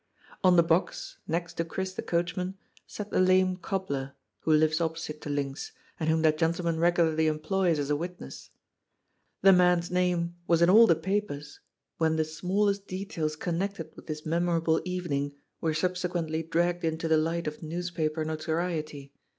On the box, next to Chris the coachman, sat the lame cobbler, who lives opposite to Linx, and whom that gentle man regularly employs as a witness. The man's name was in all the papers when the smallest details connected with this memorable evening were subsequently dragged into the light of newspaper notoriety.